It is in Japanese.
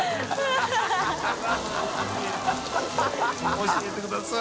飯尾）教えてください。